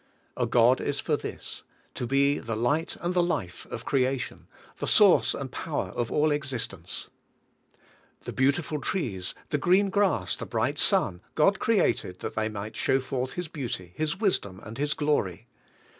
A God is for this: to be the light and the life of creation, the source and power of all existence. The beautiful trees, the green grass, the bright sun, God created that they might show forth His beauty. His wisdom and His glory.